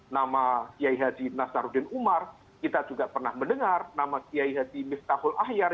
nama kiai haji nasaruddin umar kita juga pernah mendengar nama kiai haji miftahul ahyar